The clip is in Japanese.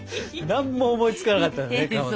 何も思いつかなかったんだねかまど。